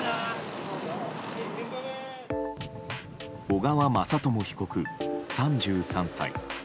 小川雅朝被告、３３歳。